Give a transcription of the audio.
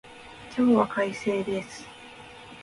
今日は快晴です